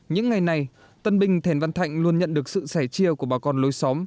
những ngày này tân binh thèn văn thạnh luôn nhận được sự sẻ chia của bà con lối xóm